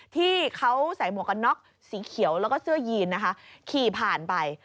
ที่เขาใส่หมวกกันน็อกสีเขียวแล้วก็เสื้อยีนนะคะขี่ผ่านไป